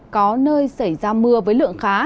có nơi xảy ra mưa với lượng khá